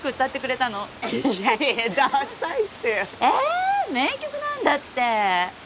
え名曲なんだって。